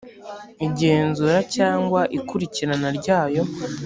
igenzura cyangwa ikurikirana ryayo